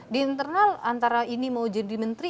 di internal antara ini mau jadi menteri